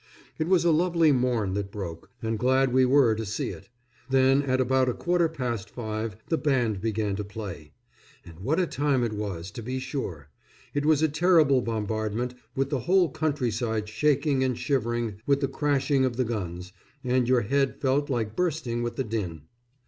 It was a lovely morn that broke, and glad we were to see it. Then, at about a quarter past five, the band began to play. And what a time it was, to be sure! It was a terrible bombardment, with the whole countryside shaking and shivering with the crashing of the guns, and your head felt like bursting with the din.